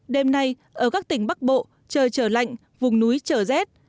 đêm nay ở các tỉnh bắc bộ trời trở lạnh vùng núi trở rét